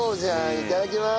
いただきます。